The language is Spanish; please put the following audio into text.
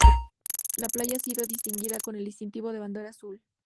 La playa ha sido distinguida con el distintivo de Bandera Azul.